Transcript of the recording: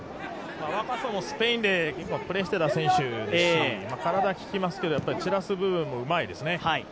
ワカソもスペインでプレーしていた選手で体ききますけど、散らす部分もうまいですね。